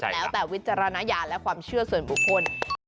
แล้วแต่วิจารณญาณและความเชื่อส่วนบุคคล